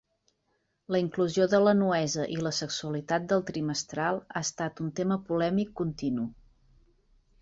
La inclusió de la nuesa i la sexualitat del "trimestral" ha estat un tema polèmic continu.